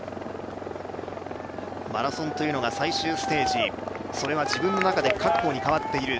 マラソンというのが最終ステージそれは自分の中で覚悟に変わっている、